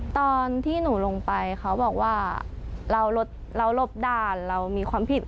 ตอนที่หนูลงไปเขาบอกว่าเราหลบด่านเรามีความผิด